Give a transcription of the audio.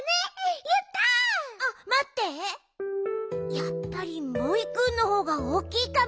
やっぱりモイくんのほうがおおきいかも。